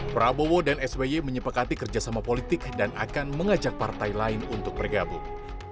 prabowo dan sby menyepakati kerjasama politik dan akan mengajak partai lain untuk bergabung